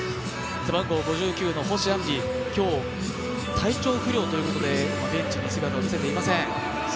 背番号５９の星杏璃、今日、体調不良ということで現地に姿を見せていません。